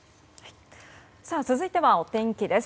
続いてはお天気です。